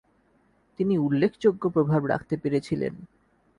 তিনি উল্লেখযোগ্য প্রভাব রাখতে পেরেছিলেন।